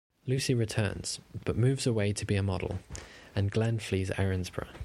Lucy returns, but moves away to be a model and Glen flees Erinsborough.